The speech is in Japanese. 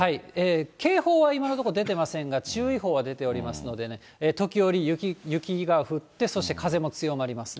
警報は今のところ、出てませんが、注意報は出ておりますのでね、時折雪が降って、そして風も強まりますね。